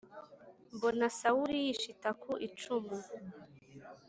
mbona Sawuli yishita ku icumu